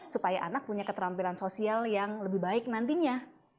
supaya anak punya keterampilan sosial yang lebih baik nantinya